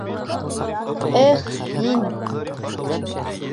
Эх, һин!